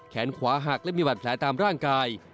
แขนขวาหักและมีบัตรแผลตามร่างกาย